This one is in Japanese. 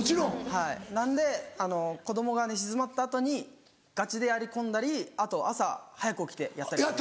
はいなんであの子供が寝静まった後にガチでやり込んだりあと朝早く起きてやったりとか。